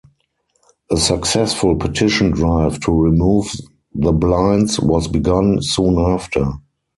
A successful petition drive to remove the blinds was begun soon after.